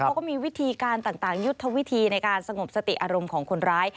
เขาก็มีวิธีการต่างยุทธวิธีในการสงบสติอารมณ์ของคนร้าย